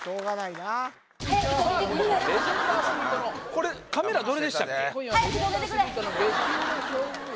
これカメラどれでしたっけ？